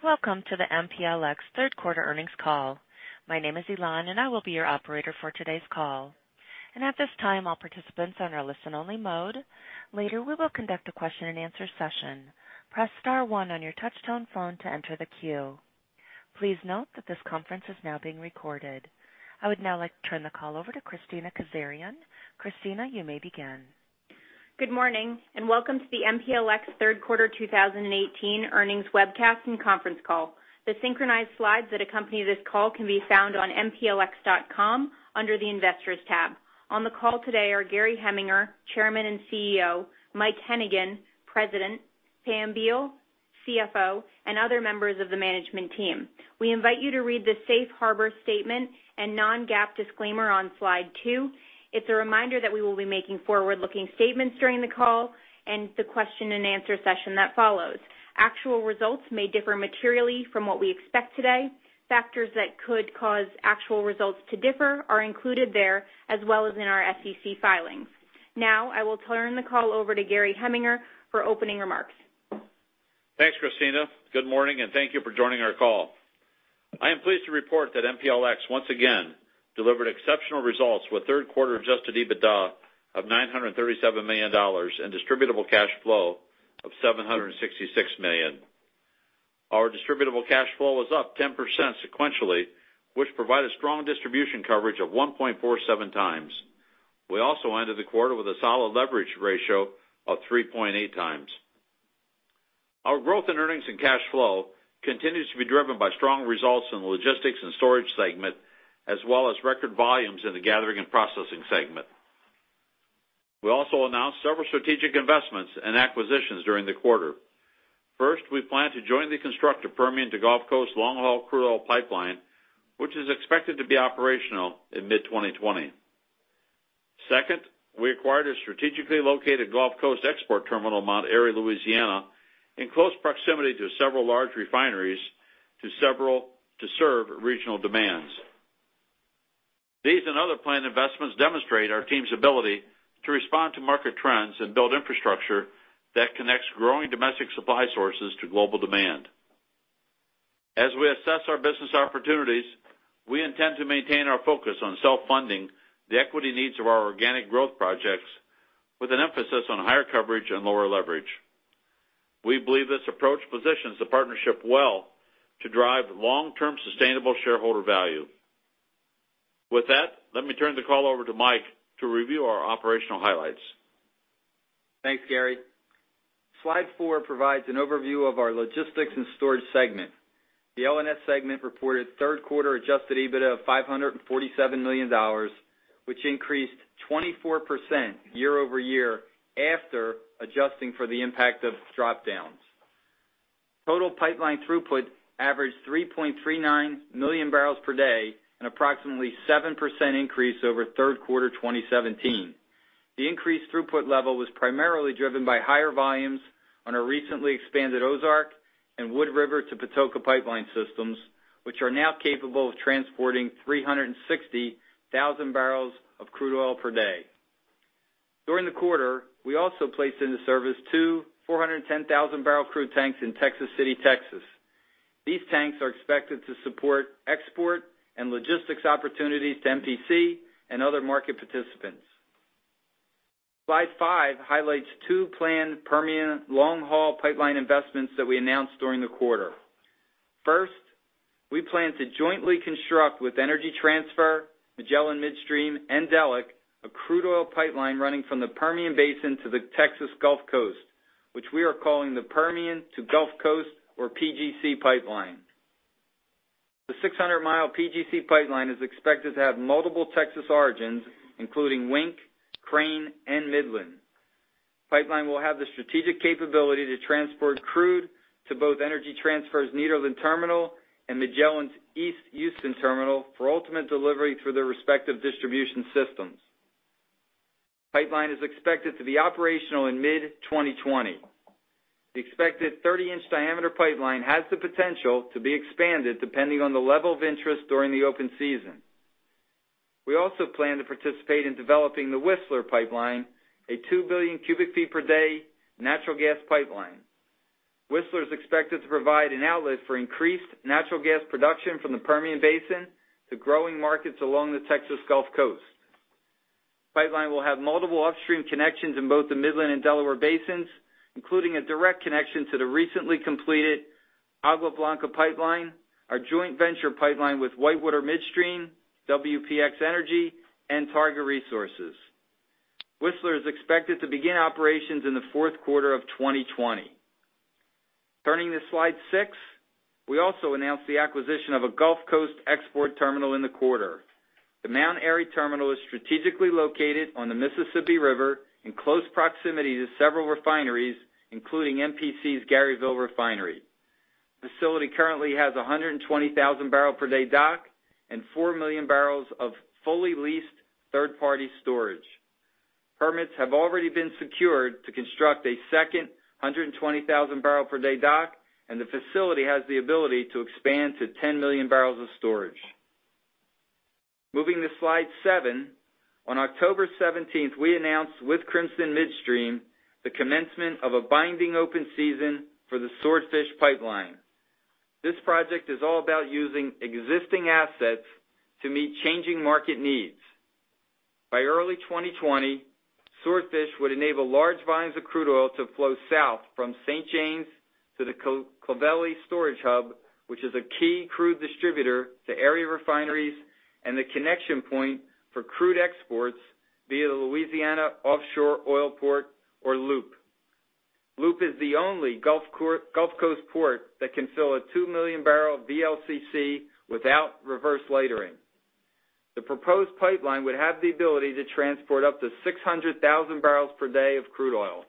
Welcome to the MPLX third quarter earnings call. My name is Elon, and I will be your operator for today's call. At this time, all participants are on listen-only mode. Later, we will conduct a question and answer session. Press star one on your touch-tone phone to enter the queue. Please note that this conference is now being recorded. I would now like to turn the call over to Kristina Kazarian. Kristina, you may begin. Good morning, welcome to the MPLX third quarter 2018 earnings webcast and conference call. The synchronized slides that accompany this call can be found on mplx.com under the Investors tab. On the call today are Gary Heminger, Chairman and CEO; Mike Hennigan, President; Pam Beall, CFO; and other members of the management team. We invite you to read the safe harbor statement and non-GAAP disclaimer on slide two. It's a reminder that we will be making forward-looking statements during the call and the question and answer session that follows. Actual results may differ materially from what we expect today. Factors that could cause actual results to differ are included there, as well as in our SEC filings. I will turn the call over to Gary Heminger for opening remarks. Thanks, Kristina. Good morning, thank you for joining our call. I am pleased to report that MPLX once again delivered exceptional results with third quarter adjusted EBITDA of $937 million and distributable cash flow of $766 million. Our distributable cash flow was up 10% sequentially, which provided strong distribution coverage of 1.47 times. We also ended the quarter with a solid leverage ratio of 3.8 times. Our growth in earnings and cash flow continues to be driven by strong results in the Logistics and Storage segment, as well as record volumes in the Gathering and Processing segment. We also announced several strategic investments and acquisitions during the quarter. First, we plan to join the constructive Permian to Gulf Coast long-haul crude oil pipeline, which is expected to be operational in mid-2020. Second, we acquired a strategically located Gulf Coast export terminal in Mount Airy, Louisiana, in close proximity to several large refineries to serve regional demands. These other planned investments demonstrate our team's ability to respond to market trends and build infrastructure that connects growing domestic supply sources to global demand. As we assess our business opportunities, we intend to maintain our focus on self-funding the equity needs of our organic growth projects with an emphasis on higher coverage and lower leverage. We believe this approach positions the partnership well to drive long-term sustainable shareholder value. With that, let me turn the call over to Mike to review our operational highlights. Thanks, Gary. Slide four provides an overview of our Logistics and Storage segment. The L&S segment reported third quarter adjusted EBITDA of $547 million, which increased 24% year-over-year after adjusting for the impact of drop-downs. Total pipeline throughput averaged 3.39 million barrels per day, an approximately 7% increase over third quarter 2017. The increased throughput level was primarily driven by higher volumes on our recently expanded Ozark and Wood River to Patoka pipeline systems, which are now capable of transporting 360,000 barrels of crude oil per day. During the quarter, we also placed into service two 410,000-barrel crude tanks in Texas City, Texas. These tanks are expected to support export and logistics opportunities to MPC and other market participants. Slide five highlights two planned Permian long-haul pipeline investments that we announced during the quarter. First, we plan to jointly construct with Energy Transfer, Magellan Midstream Partners, and Delek, a crude oil pipeline running from the Permian Basin to the Texas Gulf Coast, which we are calling the Permian to Gulf Coast or PGC Pipeline. The 600-mile PGC Pipeline is expected to have multiple Texas origins, including Wink, Crane, and Midland. The pipeline will have the strategic capability to transport crude to both Energy Transfer's Nederland terminal and Magellan's East Houston terminal for ultimate delivery through their respective distribution systems. The pipeline is expected to be operational in mid-2020. The expected 30-inch diameter pipeline has the potential to be expanded depending on the level of interest during the open season. We also plan to participate in developing the Whistler Pipeline, a 2 billion cubic feet per day natural gas pipeline. Whistler is expected to provide an outlet for increased natural gas production from the Permian Basin to growing markets along the Texas Gulf Coast. The pipeline will have multiple upstream connections in both the Midland and Delaware Basins, including a direct connection to the recently completed Agua Blanca Pipeline, our joint venture pipeline with WhiteWater Midstream, WPX Energy, and Targa Resources. Whistler is expected to begin operations in the fourth quarter of 2020. Turning to slide six, we also announced the acquisition of a Gulf Coast export terminal in the quarter. The Mount Airy terminal is strategically located on the Mississippi River in close proximity to several refineries, including MPC's Garyville Refinery. The facility currently has 120,000 barrel per day dock and 4 million barrels of fully leased third-party storage. Permits have already been secured to construct a second 120,000 barrel per day dock, and the facility has the ability to expand to 10 million barrels of storage. Moving to slide seven. On October 17th, we announced with Crimson Midstream the commencement of a binding open season for the Swordfish Pipeline. This project is all about using existing assets to meet changing market needs. By early 2020, Swordfish would enable large volumes of crude oil to flow south from St. James to the Clovelly storage hub, which is a key crude distributor to area refineries and the connection point for crude exports via the Louisiana Offshore Oil Port or LOOP. LOOP is the only Gulf Coast port that can fill a 2 million barrel VLCC without reverse lightering. The proposed pipeline would have the ability to transport up to 600,000 barrels per day of crude oil.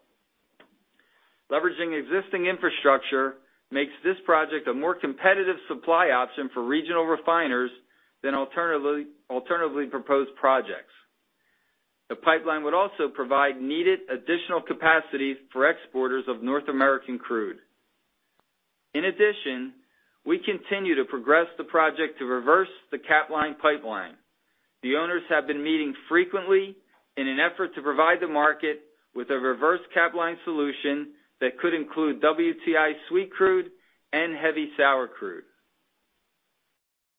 Leveraging existing infrastructure makes this project a more competitive supply option for regional refiners than alternatively proposed projects. The pipeline would also provide needed additional capacity for exporters of North American crude. In addition, we continue to progress the project to reverse the Capline Pipeline. The owners have been meeting frequently in an effort to provide the market with a reverse Capline solution that could include WTI sweet crude and heavy sour crude.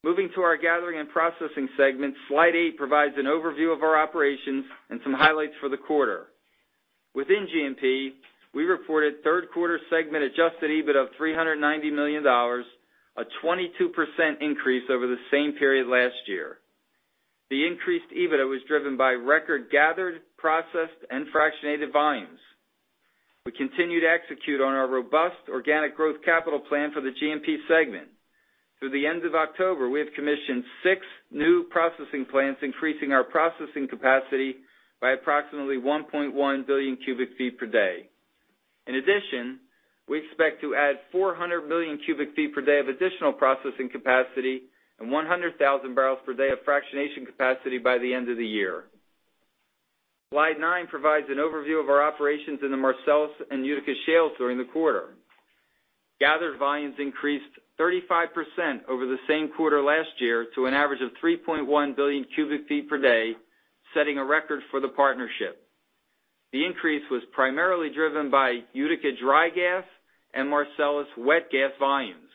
Moving to our gathering and processing segment, slide eight provides an overview of our operations and some highlights for the quarter. Within GNP, we reported third quarter segment adjusted EBITDA of $390 million, a 22% increase over the same period last year. The increased EBITDA was driven by record gathered, processed, and fractionated volumes. We continue to execute on our robust organic growth capital plan for the GNP segment. Through the end of October, we have commissioned six new processing plants, increasing our processing capacity by approximately 1.1 billion cubic feet per day. In addition, we expect to add 400 million cubic feet per day of additional processing capacity and 100,000 barrels per day of fractionation capacity by the end of the year. Slide nine provides an overview of our operations in the Marcellus and Utica shales during the quarter. Gathered volumes increased 35% over the same quarter last year to an average of 3.1 billion cubic feet per day, setting a record for the partnership. The increase was primarily driven by Utica dry gas and Marcellus wet gas volumes.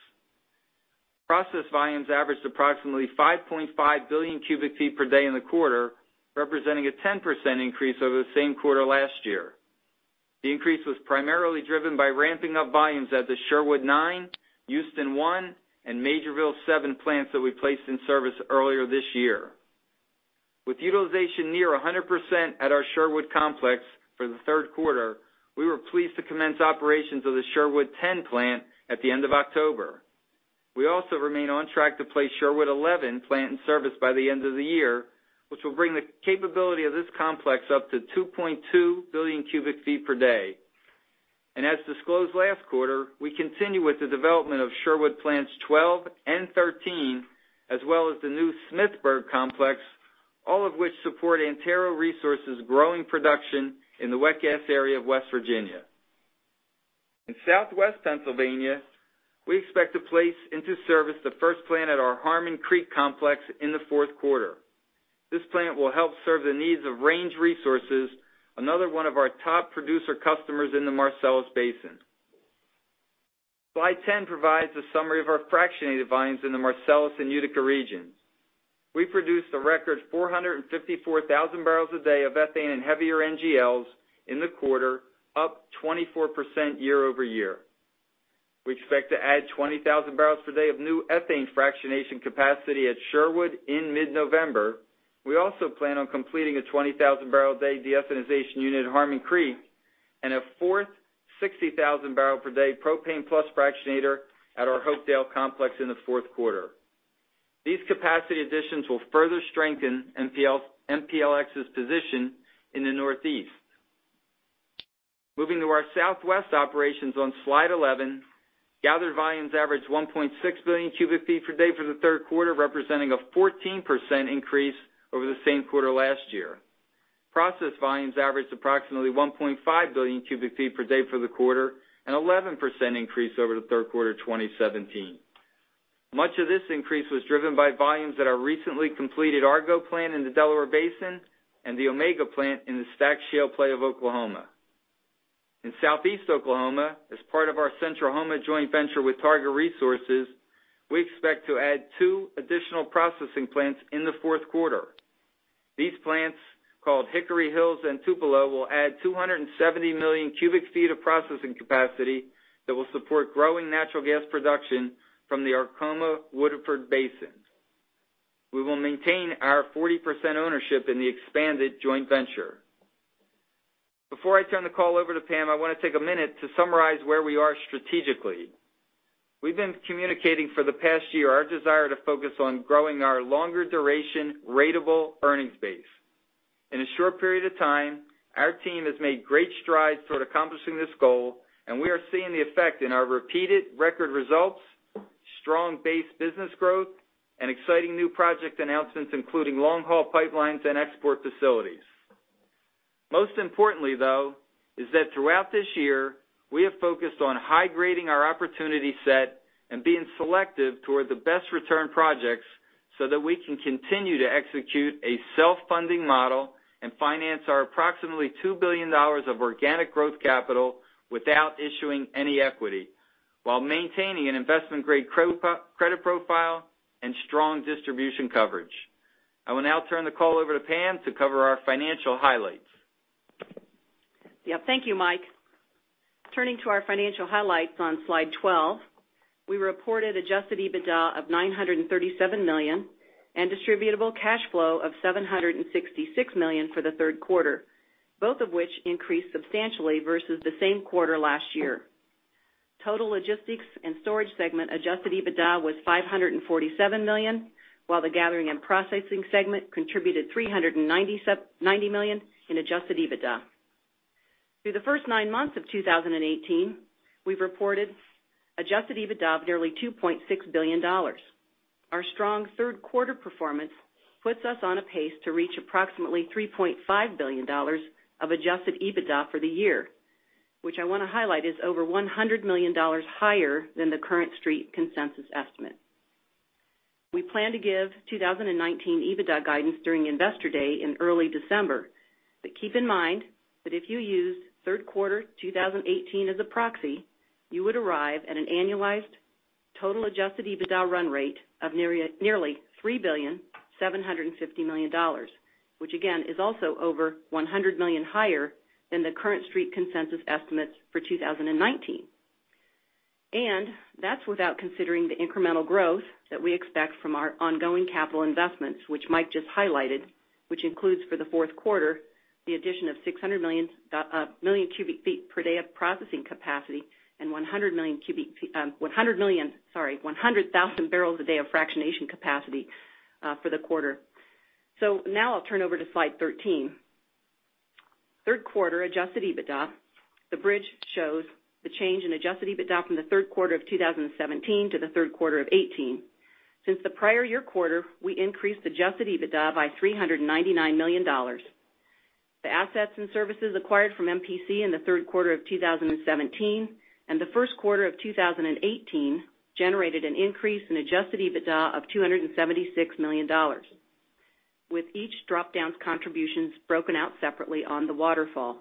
Processed volumes averaged approximately 5.5 billion cubic feet per day in the quarter, representing a 10% increase over the same quarter last year. The increase was primarily driven by ramping up volumes at the Sherwood 9, Houston I, and Majorsville 7 plants that we placed in service earlier this year. With utilization near 100% at our Sherwood Complex for the third quarter, we were pleased to commence operations of the Sherwood 10 plant at the end of October. We also remain on track to place Sherwood 11 plant in service by the end of the year, which will bring the capability of this complex up to 2.2 billion cubic feet per day. As disclosed last quarter, we continue with the development of Sherwood 12 and 13, as well as the new Smithburg complex, all of which support Antero Resources' growing production in the wet gas area of West Virginia. In Southwest Pennsylvania, we expect to place into service the first plant at our Harmon Creek complex in the fourth quarter. This plant will help serve the needs of Range Resources, another one of our top producer customers in the Marcellus Basin. Slide 10 provides a summary of our fractionated volumes in the Marcellus and Utica regions. We produced a record 454,000 barrels a day of ethane and heavier NGLs in the quarter, up 24% year-over-year. We expect to add 20,000 barrels per day of new ethane fractionation capacity at Sherwood in mid-November. We also plan on completing a 20,000 barrel a day de-ethanization unit at Harmon Creek and a fourth 60,000 barrel per day propane plus fractionator at our Hopedale Complex in the fourth quarter. These capacity additions will further strengthen MPLX's position in the Northeast. Moving to our Southwest operations on slide 11, gathered volumes averaged 1.6 billion cubic feet per day for the third quarter, representing a 14% increase over the same quarter last year. Processed volumes averaged approximately 1.5 billion cubic feet per day for the quarter, an 11% increase over the third quarter 2017. Much of this increase was driven by volumes at our recently completed Argo plant in the Delaware Basin and the Omega plant in the STACK Shale Play of Oklahoma. In Southeast Oklahoma, as part of our Centrahoma joint venture with Targa Resources, we expect to add two additional processing plants in the fourth quarter. These plants, called Hickory Hills and Tupelo, will add 270 million cubic feet of processing capacity that will support growing natural gas production from the Arkoma Woodford Basin. We will maintain our 40% ownership in the expanded joint venture. Before I turn the call over to Pam, I want to take a minute to summarize where we are strategically. We've been communicating for the past year our desire to focus on growing our longer duration ratable earnings base. In a short period of time, our team has made great strides toward accomplishing this goal, and we are seeing the effect in our repeated record results, strong base business growth, and exciting new project announcements, including long-haul pipelines and export facilities. Most importantly though, is that throughout this year, we have focused on high grading our opportunity set and being selective toward the best return projects so that we can continue to execute a self-funding model and finance our approximately $2 billion of organic growth capital without issuing any equity, while maintaining an investment-grade credit profile and strong distribution coverage. I will now turn the call over to Pam to cover our financial highlights. Yeah. Thank you, Mike. Turning to our financial highlights on slide 12, we reported adjusted EBITDA of $937 million and distributable cash flow of $766 million for the third quarter, both of which increased substantially versus the same quarter last year. Total logistics and storage segment adjusted EBITDA was $547 million, while the gathering and processing segment contributed $390 million in adjusted EBITDA. Through the first nine months of 2018, we've reported adjusted EBITDA of nearly $2.6 billion. Our strong third quarter performance puts us on a pace to reach approximately $3.5 billion of adjusted EBITDA for the year, which I want to highlight is over $100 million higher than the current Street consensus estimate. We plan to give 2019 EBITDA guidance during Investor Day in early December. Keep in mind that if you used third quarter 2018 as a proxy, you would arrive at an annualized total adjusted EBITDA run rate of nearly $3.75 billion, which again, is also over $100 million higher than the current Street consensus estimates for 2019. That's without considering the incremental growth that we expect from our ongoing capital investments, which Mike just highlighted, which includes for the fourth quarter, the addition of 600 million cubic feet per day of processing capacity and 100,000 barrels a day of fractionation capacity for the quarter. Now I'll turn over to slide 13. Third quarter adjusted EBITDA. The bridge shows the change in adjusted EBITDA from the third quarter of 2017 to the third quarter of 2018. Since the prior year quarter, we increased adjusted EBITDA by $399 million. The assets and services acquired from MPC in the third quarter of 2017 and the first quarter of 2018 generated an increase in adjusted EBITDA of $276 million. With each drop-down's contributions broken out separately on the waterfall.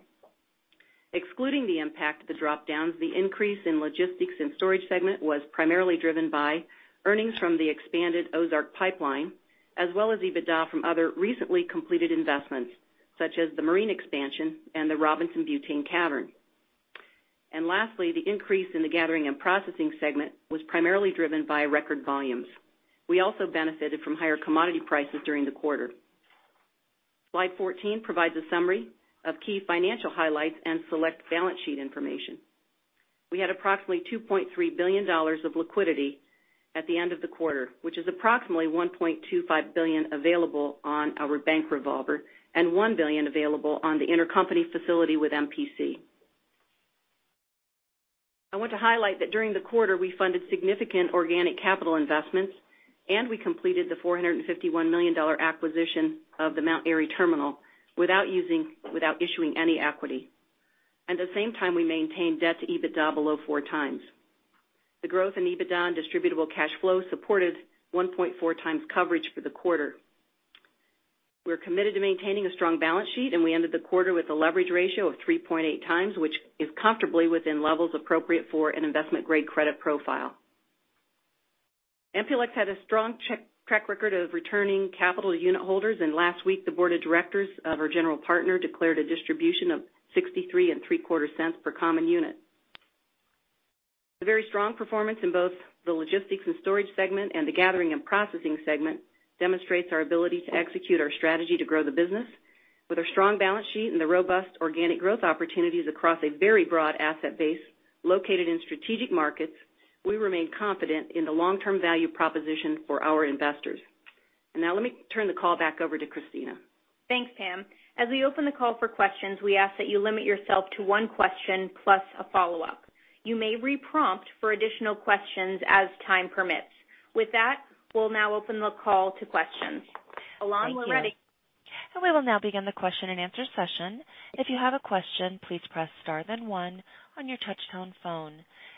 Excluding the impact of the drop-downs, the increase in Logistics and Storage segment was primarily driven by earnings from the expanded Ozark Pipeline, as well as EBITDA from other recently completed investments, such as the marine expansion and the Robinson Butane Cavern. Lastly, the increase in the Gathering and Processing segment was primarily driven by record volumes. We also benefited from higher commodity prices during the quarter. Slide 14 provides a summary of key financial highlights and select balance sheet information. We had approximately $2.3 billion of liquidity at the end of the quarter, which is approximately $1.25 billion available on our bank revolver and $1 billion available on the intercompany facility with MPC. I want to highlight that during the quarter, we funded significant organic capital investments, and we completed the $451 million acquisition of the Mount Airy terminal without issuing any equity. At the same time, we maintained debt to EBITDA below 4 times. The growth in EBITDA and distributable cash flow supported 1.4 times coverage for the quarter. We're committed to maintaining a strong balance sheet, and we ended the quarter with a leverage ratio of 3.8 times, which is comfortably within levels appropriate for an investment-grade credit profile. MPLX had a strong track record of returning capital to unitholders, and last week, the board of directors of our general partner declared a distribution of 63 and three quarter cents per common unit. The very strong performance in both the Logistics and Storage segment and the Gathering and Processing segment demonstrates our ability to execute our strategy to grow the business. With our strong balance sheet and the robust organic growth opportunities across a very broad asset base located in strategic markets, we remain confident in the long-term value proposition for our investors. Now let me turn the call back over to Kristina. Thanks, Pam. As we open the call for questions, we ask that you limit yourself to one question plus a follow-up. You may re-prompt for additional questions as time permits. With that, we'll now open the call to questions. Thank you. Elon, we're ready. We will now begin the question and answer session. If you have a question, please press star then one on your touchtone phone.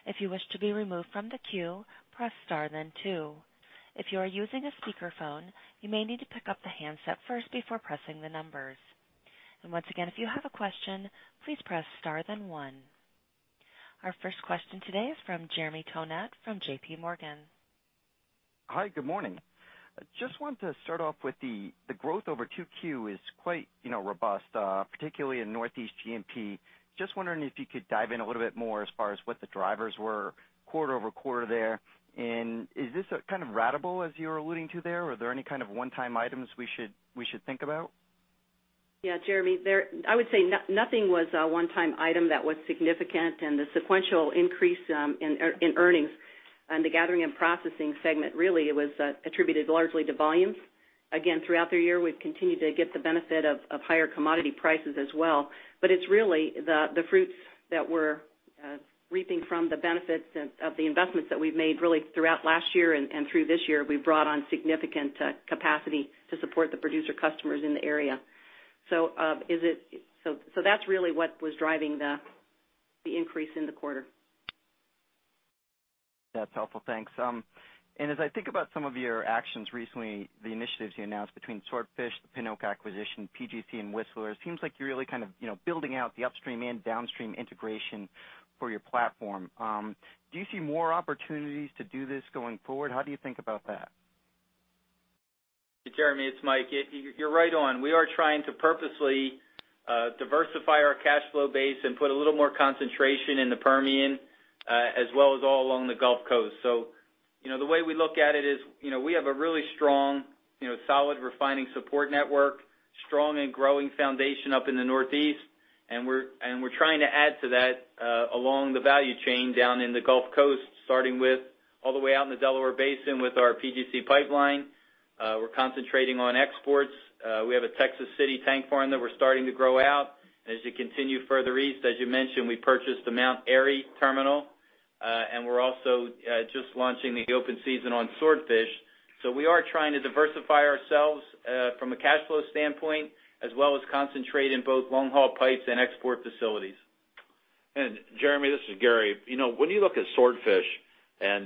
If you wish to be removed from the queue, press star then two. If you are using a speakerphone, you may need to pick up the handset first before pressing the numbers. Once again, if you have a question, please press star then one. Our first question today is from Jeremy Tonet from J.P. Morgan. Hi, good morning. Just wanted to start off with the growth over 2Q is quite robust, particularly in Northeast GNP. Just wondering if you could dive in a little bit more as far as what the drivers were quarter-over-quarter there. Is this kind of ratable as you were alluding to there? Are there any kind of one-time items we should think about? Jeremy. I would say nothing was a one-time item that was significant, and the sequential increase in earnings on the gathering and processing segment really was attributed largely to volumes. Again, throughout the year, we've continued to get the benefit of higher commodity prices as well. It's really the fruits that we're reaping from the benefits of the investments that we've made really throughout last year and through this year, we've brought on significant capacity to support the producer customers in the area. That's really what was driving the increase in the quarter. That's helpful. Thanks. As I think about some of your actions recently, the initiatives you announced between Swordfish, the Pin Oak acquisition, PGC, and Whistler, it seems like you're really building out the upstream and downstream integration for your platform. Do you see more opportunities to do this going forward? How do you think about that? Jeremy, it's Mike. You're right on. We are trying to purposely diversify our cash flow base and put a little more concentration in the Permian, as well as all along the Gulf Coast. The way we look at it is, we have a really strong, solid refining support network, strong and growing foundation up in the Northeast, and we're trying to add to that along the value chain down in the Gulf Coast, starting with all the way out in the Delaware Basin with our PGC pipeline. We're concentrating on exports. We have a Texas City tank farm that we're starting to grow out. As you continue further east, as you mentioned, we purchased the Mount Airy terminal, and we're also just launching the open season on Swordfish. We are trying to diversify ourselves from a cash flow standpoint, as well as concentrate in both long-haul pipes and export facilities. Jeremy, this is Gary. When you look at Swordfish Pipeline,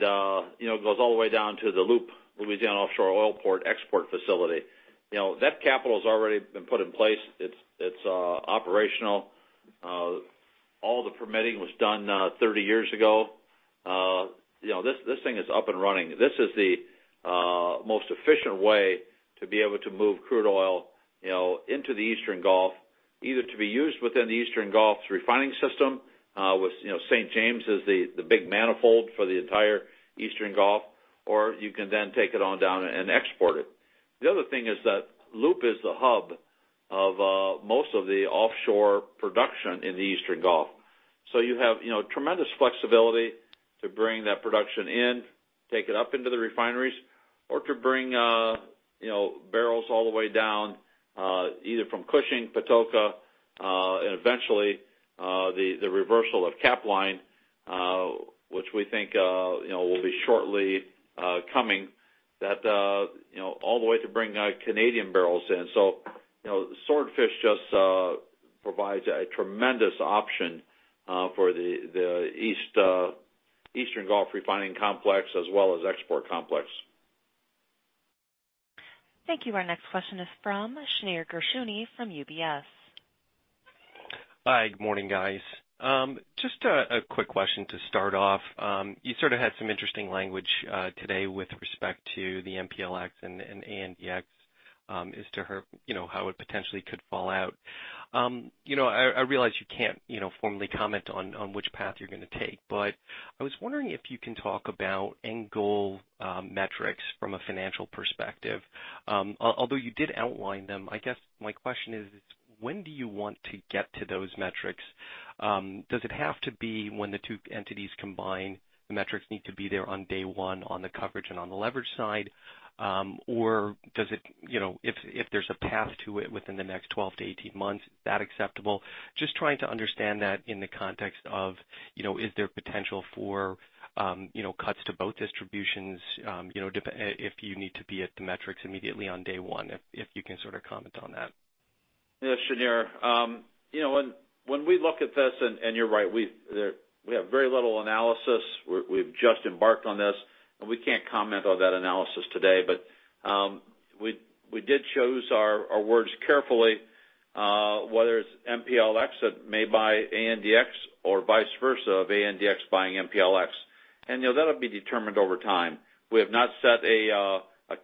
it goes all the way down to the LOOP, Louisiana Offshore Oil Port export facility. That capital's already been put in place. It's operational. All the permitting was done 30 years ago. This thing is up and running. This is the most efficient way to be able to move crude oil into the Eastern Gulf, either to be used within the Eastern Gulf's refining system, with St. James as the big manifold for the entire Eastern Gulf, or you can then take it on down and export it. The other thing is that LOOP is the hub of most of the offshore production in the Eastern Gulf. You have tremendous flexibility to bring that production in, take it up into the refineries or to bring barrels all the way down, either from Cushing, Patoka, and eventually, the reversal of Capline Pipeline, which we think will be shortly coming, all the way to bring Canadian barrels in. Swordfish Pipeline just provides a tremendous option for the Eastern Gulf refining complex as well as export complex. Thank you. Our next question is from Shneur Gershuny from UBS. Hi, good morning, guys. Just a quick question to start off. You sort of had some interesting language today with respect to the MPLX and ANDX as to how it potentially could fall out. I realize you can't formally comment on which path you're going to take, but I was wondering if you can talk about end goal metrics from a financial perspective. Although you did outline them, I guess my question is: when do you want to get to those metrics? Does it have to be when the two entities combine, the metrics need to be there on day 1 on the coverage and on the leverage side? Or if there's a path to it within the next 12 to 18 months, is that acceptable? Just trying to understand that in the context of, is there potential for cuts to both distributions if you need to be at the metrics immediately on day one, if you can sort of comment on that. Yeah, Shneur. When we look at this, you're right, we have very little analysis. We've just embarked on this, and we can't comment on that analysis today. We did choose our words carefully, whether it's MPLX that may buy ANDX or vice versa of ANDX buying MPLX. That'll be determined over time. We have not set a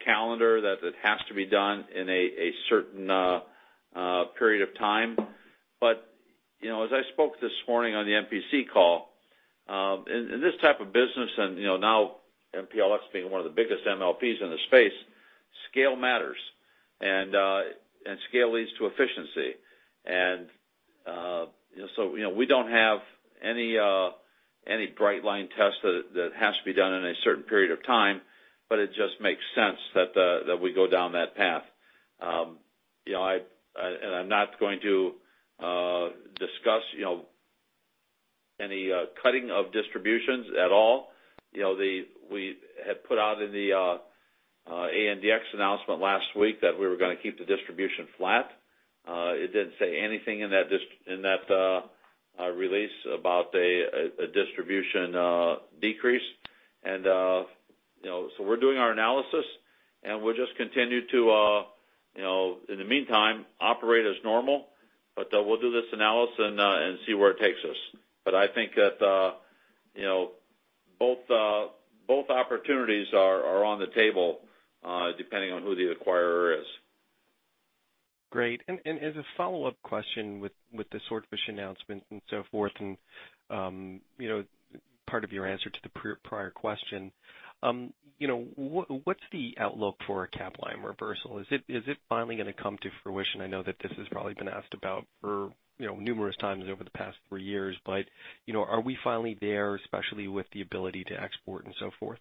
calendar that it has to be done in a certain period of time. As I spoke this morning on the MPC call, in this type of business, now MPLX being one of the biggest MLPs in the space, scale matters, and scale leads to efficiency. We don't have any bright line test that has to be done in a certain period of time, it just makes sense that we go down that path. I'm not going to discuss any cutting of distributions at all. We had put out in the ANDX announcement last week that we were going to keep the distribution flat. It didn't say anything in that release about a distribution decrease. We're doing our analysis, and we'll just continue to, in the meantime, operate as normal. We'll do this analysis and see where it takes us. I think that both opportunities are on the table, depending on who the acquirer is. Great. As a follow-up question with the Swordfish announcement and so forth, and part of your answer to the prior question. What's the outlook for a Capline reversal? Is it finally going to come to fruition? I know that this has probably been asked about for numerous times over the past three years, are we finally there, especially with the ability to export and so forth?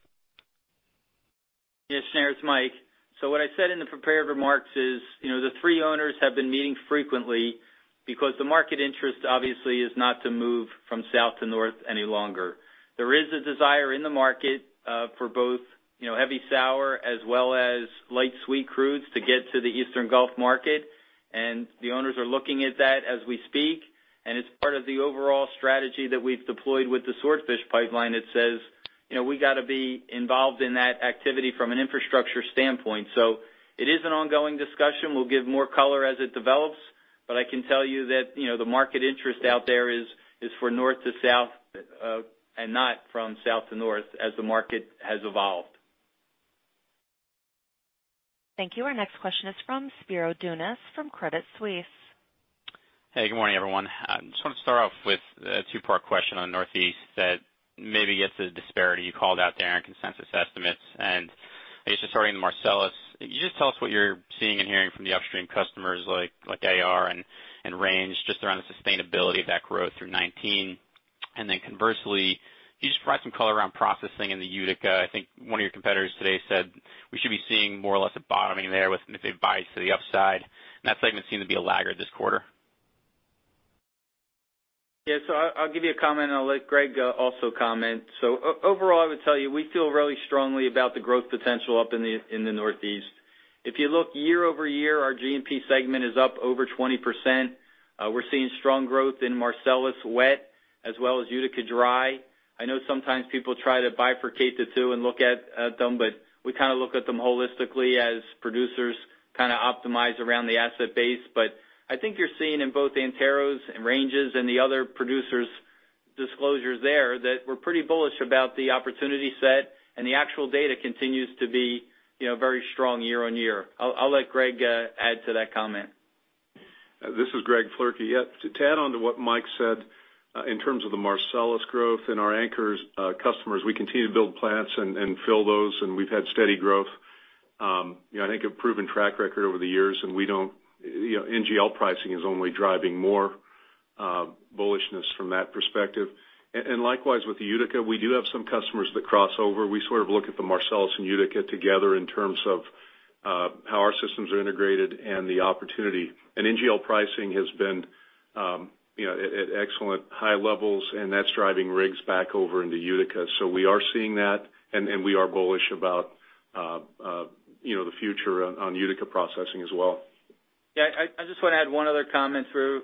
Shneur, it's Mike. What I said in the prepared remarks is, the three owners have been meeting frequently because the market interest obviously is not to move from south to north any longer. There is a desire in the market, for both heavy sour as well as light sweet crudes to get to the Eastern Gulf market. The owners are looking at that as we speak. It's part of the overall strategy that we've deployed with the Swordfish Pipeline that says, we got to be involved in that activity from an infrastructure standpoint. It is an ongoing discussion. We'll give more color as it develops, but I can tell you that the market interest out there is for north to south, and not from south to north as the market has evolved. Thank you. Our next question is from Spiro Dounis from Credit Suisse. Hey, good morning, everyone. I just want to start off with a two-part question on Northeast that maybe gets the disparity you called out there in consensus estimates. I guess just starting in Marcellus, can you just tell us what you're seeing and hearing from the upstream customers like AR and Range just around the sustainability of that growth through 2019? Conversely, can you just provide some color around processing in the Utica? I think one of your competitors today said we should be seeing more or less a bottoming there with maybe a bias to the upside, and that segment seemed to be a laggard this quarter. Yeah. I'll give you a comment, and I'll let Greg also comment. Overall, I would tell you, we feel really strongly about the growth potential up in the Northeast. If you look year-over-year, our GNP segment is up over 20%. We're seeing strong growth in Marcellus wet as well as Utica dry. I know sometimes people try to bifurcate the two and look at them, we kind of look at them holistically as producers optimize around the asset base. I think you're seeing in both Antero's and Range's and the other producers' disclosures there that we're pretty bullish about the opportunity set, and the actual data continues to be very strong year-on-year. I'll let Greg add to that comment. This is Greg Floerke. To add on to what Mike said, in terms of the Marcellus growth and our anchors customers, we continue to build plants and fill those, and we've had steady growth. I think a proven track record over the years, NGL pricing is only driving more bullishness from that perspective. Likewise, with the Utica, we do have some customers that cross over. We sort of look at the Marcellus and Utica together in terms of how our systems are integrated and the opportunity. NGL pricing has been at excellent high levels, and that's driving rigs back over into Utica. We are seeing that, and we are bullish about the future on Utica processing as well. I just want to add one other comment, Spiro.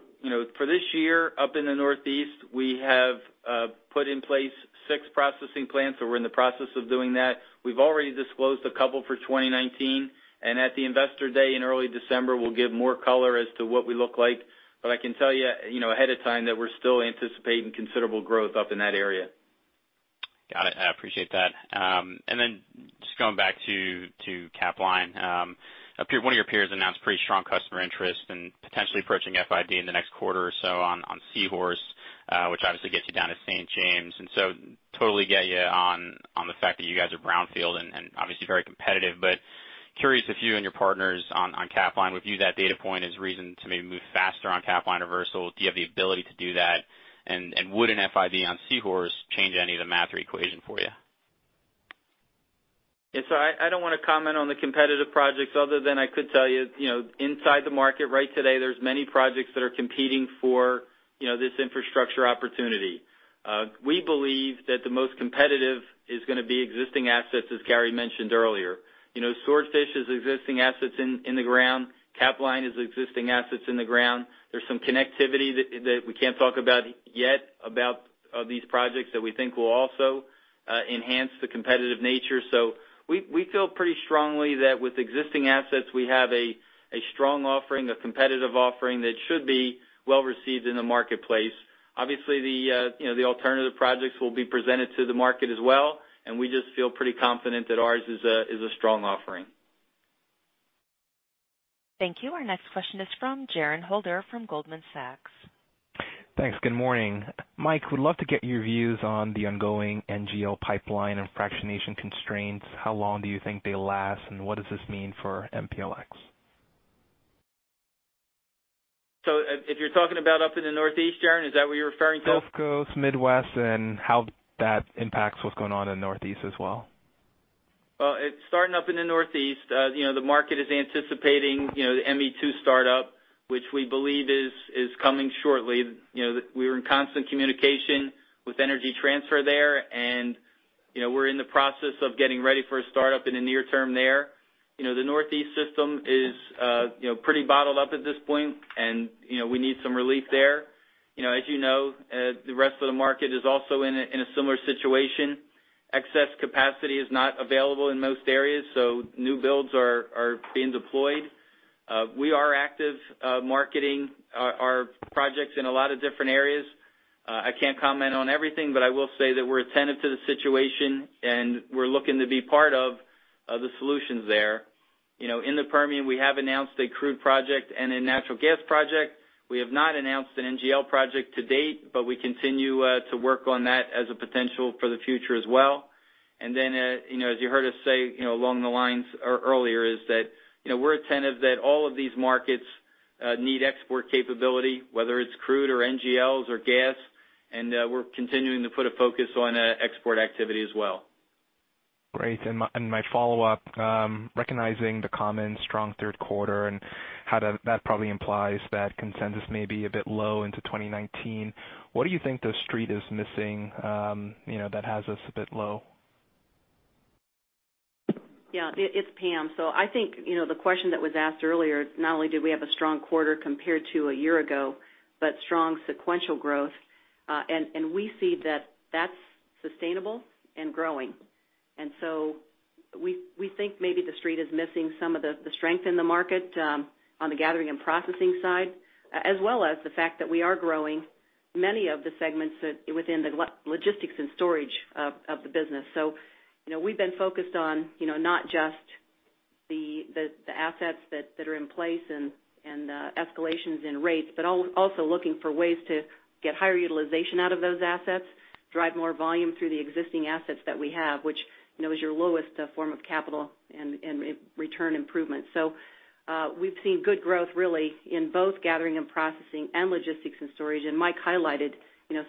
For this year up in the Northeast, we have put in place six processing plants, or we're in the process of doing that. We've already disclosed a couple for 2019. At the Investor Day in early December, we'll give more color as to what we look like. I can tell you ahead of time that we're still anticipating considerable growth up in that area. Got it. I appreciate that. Then just going back to Capline. One of your peers announced pretty strong customer interest in potentially approaching FID in the next quarter or so on Seahorse, which obviously gets you down to St. James. Totally get you on the fact that you guys are brownfield and obviously very competitive, curious if you and your partners on Capline would view that data point as reason to maybe move faster on Capline reversal. Do you have the ability to do that, and would an FID on Seahorse change any of the math or equation for you? I don't want to comment on the competitive projects other than I could tell you, inside the market right today, there's many projects that are competing for this infrastructure opportunity. We believe that the most competitive is gonna be existing assets, as Gary mentioned earlier. Swordfish is existing assets in the ground. Capline is existing assets in the ground. There's some connectivity that we can't talk about yet about these projects that we think will also enhance the competitive nature. We feel pretty strongly that with existing assets, we have a strong offering, a competitive offering that should be well-received in the marketplace. Obviously, the alternative projects will be presented to the market as well, we just feel pretty confident that ours is a strong offering. Thank you. Our next question is from Jaron Holder from Goldman Sachs. Thanks. Good morning. Mike, would love to get your views on the ongoing NGL pipeline and fractionation constraints. How long do you think they last, and what does this mean for MPLX? If you're talking about up in the Northeast, Jaron, is that what you're referring to? Gulf Coast, Midwest, how that impacts what's going on in Northeast as well. Well, it's starting up in the Northeast. The market is anticipating the ME2 startup, which we believe is coming shortly. We are in constant communication with Energy Transfer there. We're in the process of getting ready for a startup in the near term there. The Northeast system is pretty bottled up at this point. We need some relief there. As you know, the rest of the market is also in a similar situation. Excess capacity is not available in most areas. New builds are being deployed. We are active marketing our projects in a lot of different areas. I can't comment on everything, but I will say that we're attentive to the situation, and we're looking to be part of the solutions there. In the Permian, we have announced a crude project and a natural gas project. We have not announced an NGL project to date, but we continue to work on that as a potential for the future as well. As you heard us say along the lines earlier, we're attentive that all of these markets need export capability, whether it's crude or NGLs or gas. We're continuing to put a focus on export activity as well. Great. My follow-up, recognizing the common strong third quarter and how that probably implies that consensus may be a bit low into 2019, what do you think the Street is missing that has us a bit low? Yeah. It's Pam. I think, the question that was asked earlier, not only did we have a strong quarter compared to a year ago, but strong sequential growth. We see that that's sustainable and growing. We think maybe the Street is missing some of the strength in the market on the gathering and processing side, as well as the fact that we are growing many of the segments within the logistics and storage of the business. We've been focused on not just the assets that are in place and the escalations in rates, but also looking for ways to get higher utilization out of those assets, drive more volume through the existing assets that we have, which is your lowest form of capital and return improvement. We've seen good growth really in both gathering and processing and logistics and storage. Mike highlighted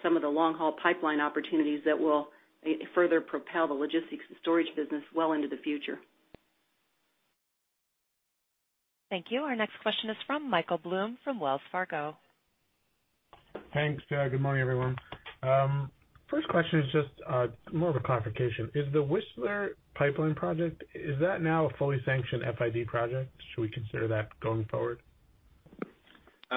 some of the long-haul pipeline opportunities that will further propel the logistics and storage business well into the future. Thank you. Our next question is from Michael Blum from Wells Fargo. Thanks. Good morning, everyone. First question is just more of a clarification. Is the Whistler Pipeline project, is that now a fully sanctioned FID project? Should we consider that going forward?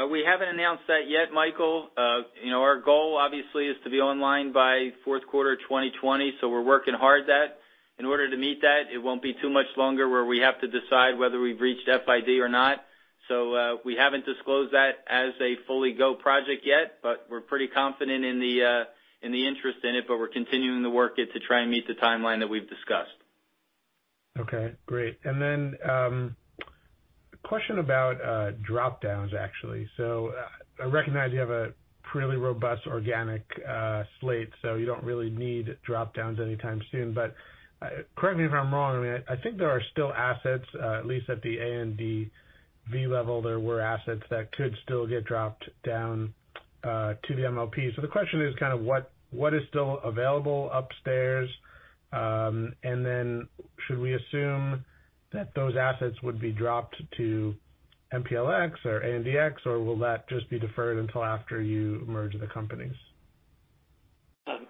We haven't announced that yet, Michael. Our goal obviously is to be online by fourth quarter 2020, so we're working hard at that. In order to meet that, it won't be too much longer where we have to decide whether we've reached FID or not. We haven't disclosed that as a fully go project yet, but we're pretty confident in the interest in it, but we're continuing to work it to try and meet the timeline that we've discussed. Okay, great. A question about drop-downs, actually. I recognize you have a pretty robust organic slate, you don't really need drop-downs anytime soon. Correct me if I'm wrong, I think there are still assets, at least at the ANDV level, there were assets that could still get dropped down to the MLP. The question is kind of what is still available upstairs? Should we assume that those assets would be dropped to MPLX or ANDX, or will that just be deferred until after you merge the companies?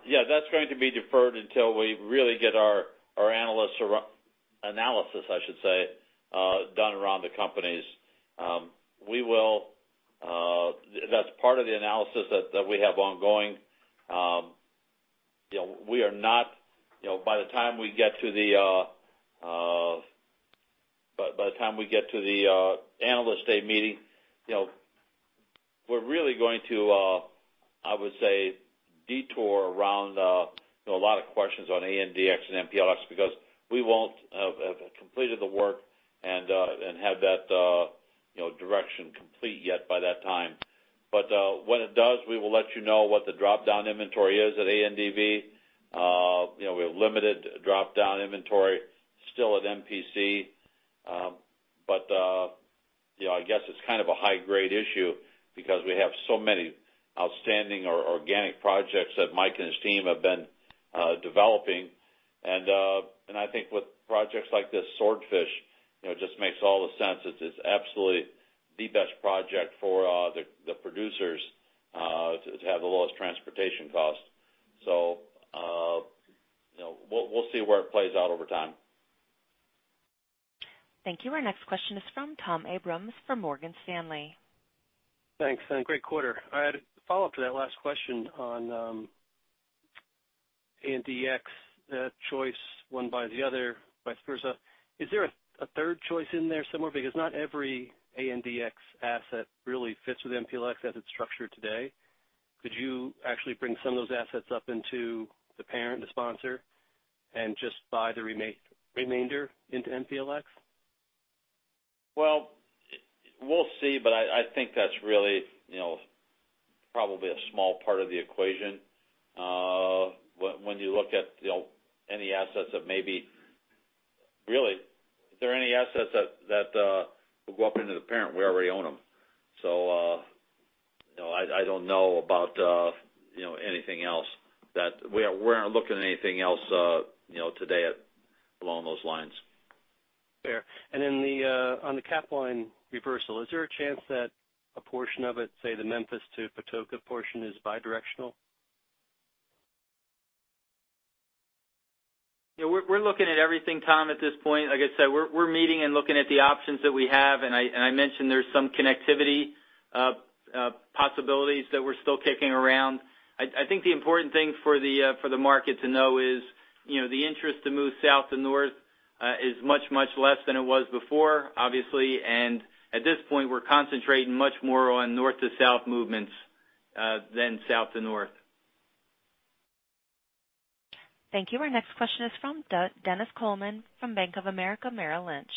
Yeah, that's going to be deferred until we really get our analysis done around the companies. That's part of the analysis that we have ongoing. By the time we get to the Analyst Day meeting, we're really going to, I would say, detour around a lot of questions on ANDX and MPLX because we won't have completed the work and have that direction complete yet by that time. When it does, we will let you know what the drop-down inventory is at ANDV. We have limited drop-down inventory still at MPC. I guess it's kind of a high-grade issue because we have so many outstanding or organic projects that Mike and his team have been developing. I think with projects like this Swordfish, it just makes all the sense that it's absolutely the best project for the producers to have the lowest transportation cost. We'll see where it plays out over time. Thank you. Our next question is from Thomas Abrams from Morgan Stanley. Thanks, great quarter. I had a follow-up to that last question on ANDX choice, one by the other, vice versa. Is there a third choice in there somewhere? Because not every ANDX asset really fits with MPLX as it's structured today. Could you actually bring some of those assets up into the parent, the sponsor, and just buy the remainder into MPLX? Well, we'll see, I think that's really probably a small part of the equation. When you look at any assets that really, if there are any assets that will go up into the parent, we already own them. I don't know about anything else. We aren't looking at anything else today along those lines. Fair. Then on the Capline reversal, is there a chance that a portion of it, say, the Memphis to Patoka portion is bi-directional? Yeah, we're looking at everything, Tom, at this point. Like I said, we're meeting and looking at the options that we have, I mentioned there's some connectivity possibilities that we're still kicking around. I think the important thing for the market to know is the interest to move south to north is much, much less than it was before, obviously. At this point, we're concentrating much more on north to south movements than south to north. Thank you. Our next question is from Dennis Coleman from Bank of America Merrill Lynch.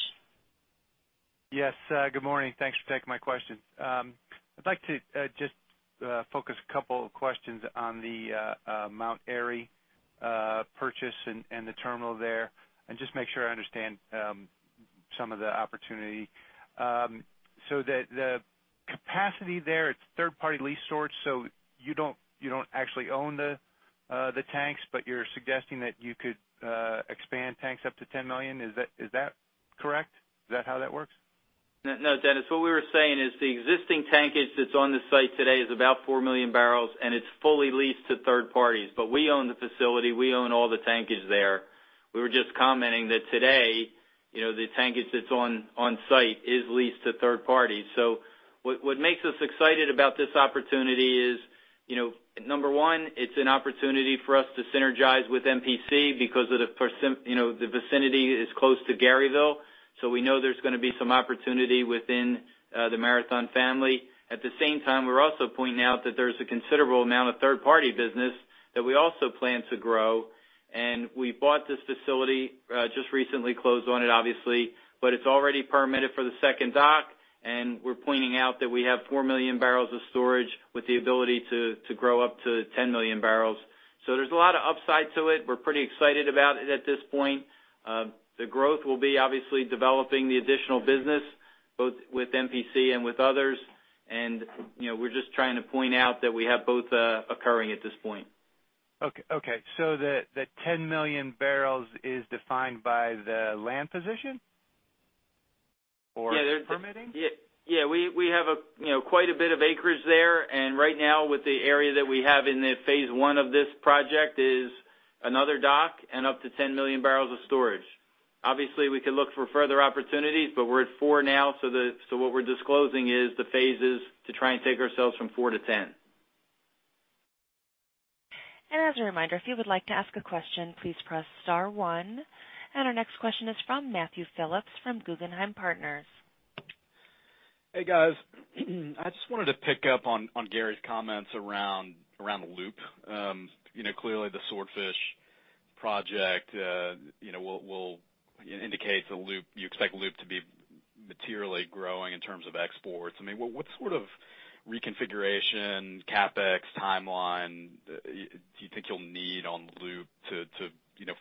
Yes. Good morning. Thanks for taking my question. I'd like to just focus a couple of questions on the Mount Airy purchase and the terminal there and just make sure I understand some of the opportunity. The capacity there, it's third-party leased storage, so you don't actually own the tanks, but you're suggesting that you could expand tanks up to 10 million. Is that correct? Is that how that works? No, Dennis, what we were saying is the existing tankage that's on the site today is about four million barrels, and it's fully leased to third parties. We own the facility, we own all the tankage there. We were just commenting that today, the tankage that's on site is leased to third parties. What makes us excited about this opportunity is, number one, it's an opportunity for us to synergize with MPC because of the vicinity is close to Garyville, so we know there's going to be some opportunity within the Marathon family. At the same time, we're also pointing out that there's a considerable amount of third-party business that we also plan to grow. We bought this facility, just recently closed on it, obviously, it's already permitted for the second dock, and we're pointing out that we have four million barrels of storage with the ability to grow up to 10 million barrels. There's a lot of upside to it. We're pretty excited about it at this point. The growth will be obviously developing the additional business, both with MPC and with others. We're just trying to point out that we have both occurring at this point. Okay. The 10 million barrels is defined by the land position or? Yeah. -permitting? Yeah. We have quite a bit of acreage there. Right now, with the area that we have in the phase 1 of this project is another dock and up to 10 million barrels of storage. Obviously, we could look for further opportunities, but we're at four now, so what we're disclosing is the phases to try and take ourselves from four to 10. As a reminder, if you would like to ask a question, please press star one. Our next question is from Matthew Phillips from Guggenheim Partners. Hey, guys. I just wanted to pick up on Gary's comments around LOOP. Clearly, the Swordfish project will indicate you expect LOOP to be materially growing in terms of exports. What sort of reconfiguration, CapEx timeline do you think you'll need on LOOP to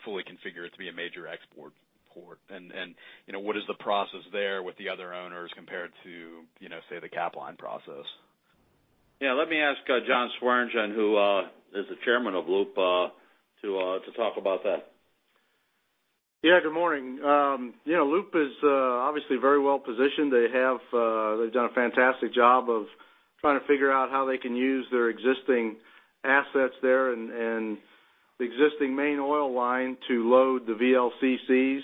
fully configure it to be a major export port? What is the process there with the other owners compared to, say, the Capline process? Let me ask John Swearingen, who is the Chairman of LOOP, to talk about that. Good morning. LOOP is obviously very well-positioned. They've done a fantastic job of trying to figure out how they can use their existing assets there and the existing main oil line to load the VLCCs.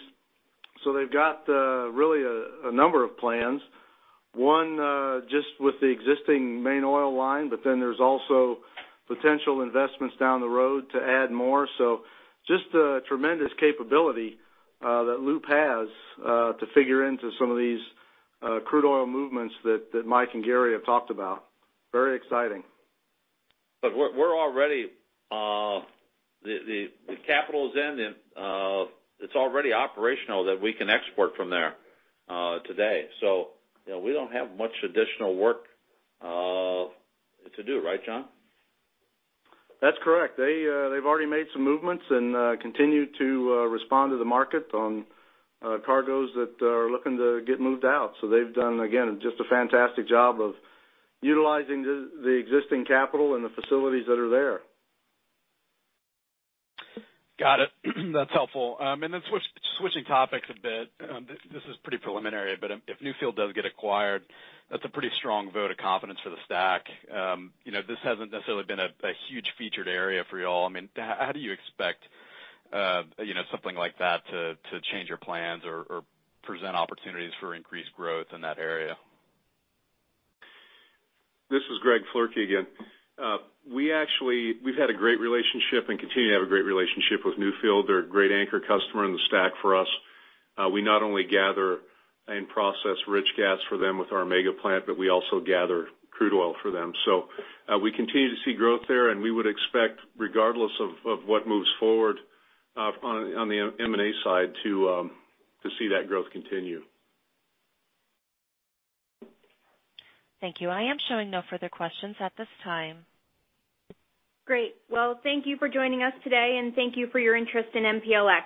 They've got really a number of plans. One, just with the existing main oil line, there's also potential investments down the road to add more. Just a tremendous capability that LOOP has to figure into some of these crude oil movements that Mike and Gary have talked about. Very exciting. The capital is in. It's already operational that we can export from there today. We don't have much additional work to do. Right, John? That's correct. They've already made some movements and continue to respond to the market on cargoes that are looking to get moved out. They've done, again, just a fantastic job of utilizing the existing capital and the facilities that are there. Got it. That's helpful. Switching topics a bit. This is pretty preliminary, but if Newfield does get acquired, that's a pretty strong vote of confidence for the STACK. This hasn't necessarily been a huge featured area for you all. How do you expect something like that to change your plans or present opportunities for increased growth in that area? This is Greg Floerke again. We've had a great relationship and continue to have a great relationship with Newfield. They're a great anchor customer in the STACK for us. We not only gather and process rich gas for them with our Omega plant, but we also gather crude oil for them. We continue to see growth there, and we would expect, regardless of what moves forward on the M&A side, to see that growth continue. Thank you. I am showing no further questions at this time. Great. Well, thank you for joining us today, and thank you for your interest in MPLX.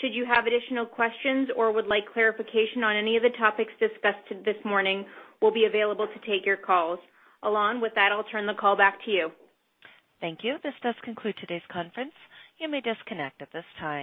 Should you have additional questions or would like clarification on any of the topics discussed this morning, we'll be available to take your calls. Elon, with that, I'll turn the call back to you. Thank you. This does conclude today's conference. You may disconnect at this time.